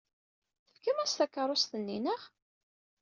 Tefkam-as takeṛṛust-nni, naɣ?